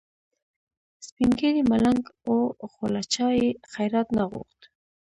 سپین ږیری ملنګ و خو له چا یې خیرات نه غوښت.